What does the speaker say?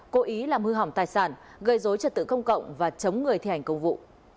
cố ý làm hư hỏng tài sản gây dối trật tự công cộng và chống người thi hành công vụ